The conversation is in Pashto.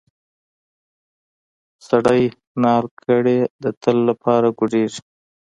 سړی نال کړې د تل لپاره ګوډیږي.